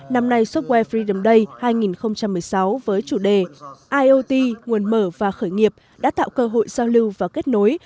năm nay subwe freem day hai nghìn một mươi sáu với chủ đề iot nguồn mở và khởi nghiệp đã tạo cơ hội giao lưu và kết nối